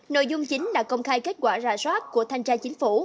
nội dung chính là công khai kết quả rà soát của thanh tra chính phủ